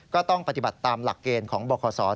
ก็ต้องปฏิบัติตามหลักเกณฑ์ของบคศ